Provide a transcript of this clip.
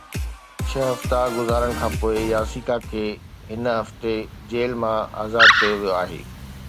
ڇهه هفتا گذارڻ کانپوءِ ياسيڪا کي هن هفتي جيل مان آزاد ڪيو ويو آهي